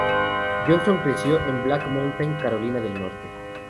Johnson creció en Black Mountain, Carolina del Norte.